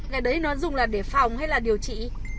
ngày đấy nó dùng là để phòng hay là điều trị